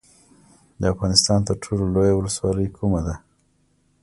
د افغانستان تر ټولو لویه ولسوالۍ کومه ده؟